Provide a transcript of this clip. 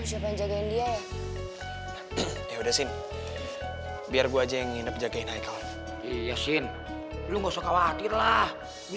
ya udah sih biar gue aja yang nginap jagain aikal yasin lu nggak usah khawatir lah gue